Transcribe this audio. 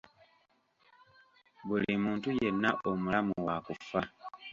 Buli muntu yenna omulamu waakufa.